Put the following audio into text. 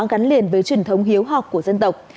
gắn liền với truyền thống hiếu học của dân tộc